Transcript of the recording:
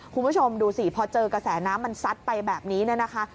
คุณผู้ชมดูสิพอเจอกระแสน้ำมันซัดไปแบบนี้เนี่ยนะคะ